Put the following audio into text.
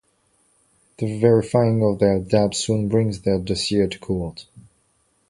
The verifying of their dabs soon brings their dossier to court.